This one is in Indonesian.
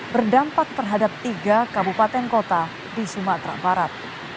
berdampak terhadap tiga kabupaten kota di sumatera barat